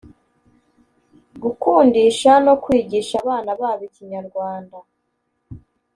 gukundisha no kwigisha abana babo Ikinyarwanda